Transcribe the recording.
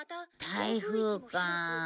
台風かあ。